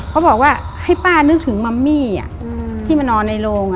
เขาบอกว่าให้ป้านึกถึงมัมมี่ที่มานอนในโรง